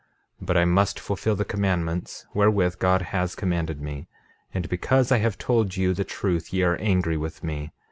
13:4 But I must fulfil the commandments wherewith God has commanded me; and because I have told you the truth ye are angry with me.